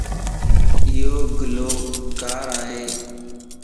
ايو گلو ڪار ائي